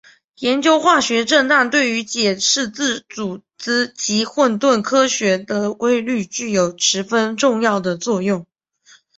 研究化学振荡对于解释自组织及混沌科学的规律具有十分重要的作用。